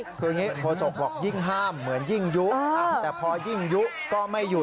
คืออย่างนี้โฆษกบอกยิ่งห้ามเหมือนยิ่งยุแต่พอยิ่งยุก็ไม่อยู่